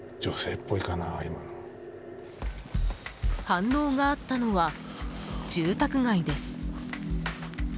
反応があったのは住宅街です。